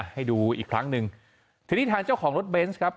ให้ดูอีกครั้งหนึ่งทีนี้ทางเจ้าของรถเบนส์ครับ